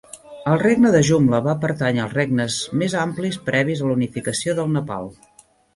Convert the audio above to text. El regne de Jumla va pertànyer als regnes més amplis previs a la unificació del Nepal.